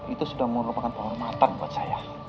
itu sudah merupakan penghormatan buat saya